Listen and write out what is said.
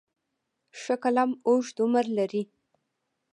ښه قلم اوږد عمر لري.